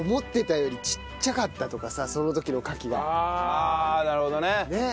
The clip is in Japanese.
ああなるほどね。